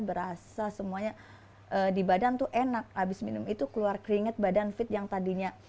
berasa semuanya di badan tuh enak habis minum itu keluar keringet badan fit yang tadinya